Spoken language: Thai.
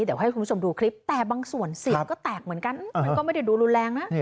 เดี๋ยวให้คุณผู้ชมดูคลิปแต่บางส่วนเสียงก็แตกเหมือนกันมันก็ไม่ได้ดูรุนแรงนะ